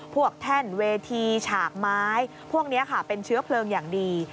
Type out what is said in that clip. แท่นเวทีฉากไม้พวกนี้ค่ะเป็นเชื้อเพลิงอย่างดี